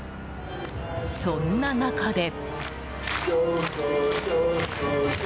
そんな中で。